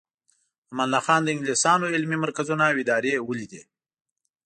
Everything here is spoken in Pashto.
امان الله خان د انګلیسانو علمي مرکزونه او ادارې ولیدې.